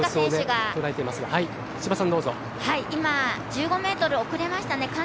今、１５ｍ遅れましたね。